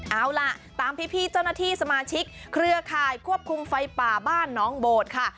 เอาล่ะตามพี่เจ้าหน้าที่สมาชิกเครือข่ายควบคุมไฟป่าบ้านน้องโบดค่ะ